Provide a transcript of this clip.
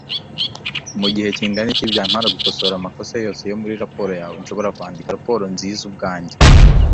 Mugihe kingana iki byantwara gukosora amakosa yose yo muri raporo yawe nshobora kwandika raporo nziza ubwanjye